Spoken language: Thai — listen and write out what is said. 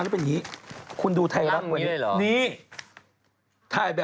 ตายนิดนึงนะคะ